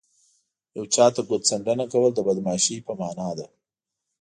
یو چاته ګوت څنډنه کول د بدماشۍ په مانا ده